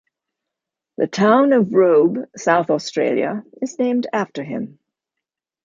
The town of Robe, South Australia is named after him.